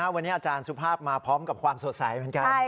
วันนี้อาจารย์สุภาพมาพร้อมกับความสดใสเหมือนกัน